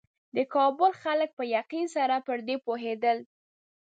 د کابل خلک په یقین سره پر دې پوهېدل.